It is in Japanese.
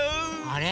あれ？